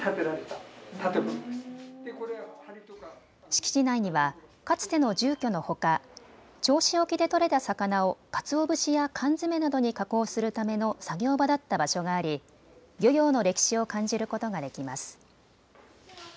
敷地内には、かつての住居のほか銚子沖で取れた魚をかつお節や缶詰などに加工するための作業場だった場所があり漁業の歴史を感じることができます。